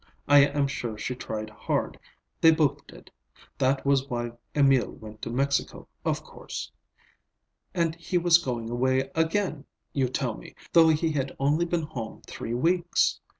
I am sure she tried hard; they both did. That was why Emil went to Mexico, of course. And he was going away again, you tell me, though he had only been home three weeks.